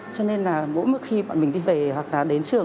cho nên là mỗi một khi bọn mình đi về hoặc là đến trường